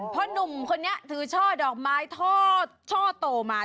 เพราะหนุ่มคนนี้ถือช่อดอกไม้ท่อโตมา